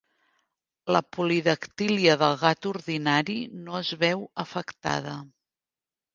La polidactília del gat ordinari no es veu afectada.